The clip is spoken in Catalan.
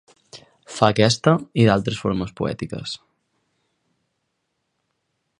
Fa aquesta i d'altres formes poètiques.